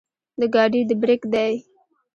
د ګاډي د برېک دے